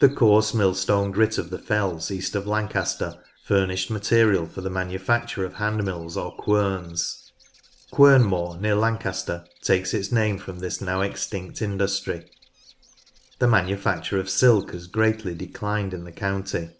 The coarse Millstone Grit of the fells east of Lan caster furnished material for the manufacture of handmills 96 NORTH LANCASHIRE or querns. Quernmore, near Lancaster, takes its name from this now extinct industry. The manufacture of silk has greatly declined in the county.